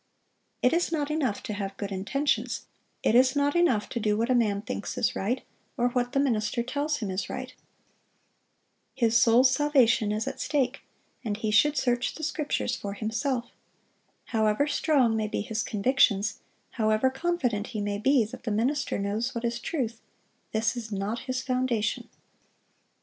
It is not enough to have good intentions; it is not enough to do what a man thinks is right, or what the minister tells him is right. His soul's salvation is at stake, and he should search the Scriptures for himself. However strong may be his convictions, however confident he may be that the minister knows what is truth, this is not his foundation.